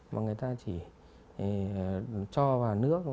mà người ta chỉ cho vào nước